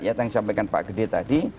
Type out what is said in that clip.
saya sampaikan pak gede tadi